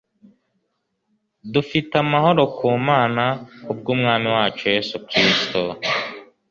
dufite amahoro ku Mana, kubw'Umwami wacu Yesu Kristo."